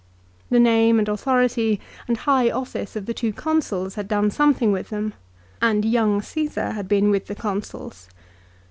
The name and authority and high office of the two Consuls had done something with them, and young Csesar had been with the Consuls.